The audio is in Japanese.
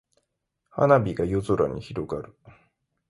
花火が夜空に広がる。